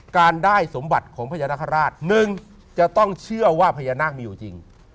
การได้สมบัติของพญานาคาราชหนึ่งจะต้องเชื่อว่าพญานาคมีอยู่จริง